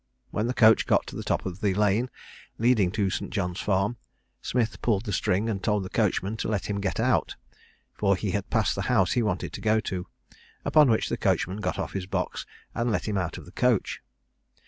When the coach got to the top of the lane leading to St. John's Farm, Smith pulled the string, and told the coachman to let him get out, for he had passed the house he wanted to go to; upon which the coachman got off his box, and let him out of the coach.